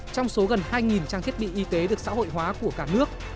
trong số gần hai trang thiết bị y tế được xã hội hóa của cả nước